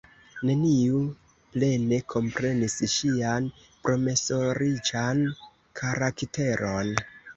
Neniu plene komprenis ŝian promesoriĉan karakteron.